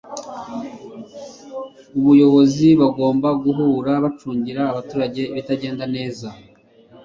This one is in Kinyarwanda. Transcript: buyobozi, bagomba guhora bacungira abaturage, ibitagenda neza